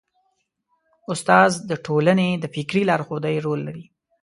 استاد د ټولنې د فکري لارښودۍ رول لري.